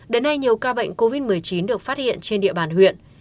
đến nay nhiều ca bệnh covid một mươi chín được phát hiện trên địa bàn huyện